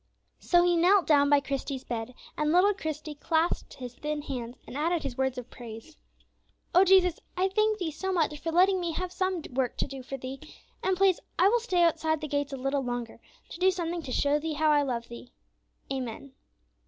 So he knelt down by Christie's bed, and little Christie clasped his thin hands and added his words of praise: "O Jesus, I thank Thee so much for letting me have some work to do for Thee; and, please, I will stay outside the gates a little longer, to do something to show Thee how I love Thee. Amen."